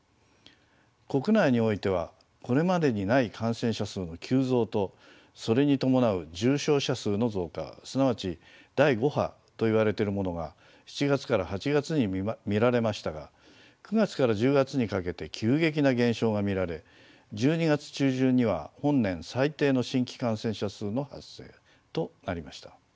国内においてはこれまでにない感染者数の急増とそれに伴う重症者数の増加すなわち第５波と言われてるものが７月から８月に見られましたが９月から１０月にかけて急激な減少が見られ１２月中旬には本年最低の新規感染者数の発生となりました。